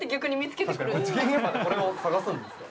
事件現場でこれを探すんですか？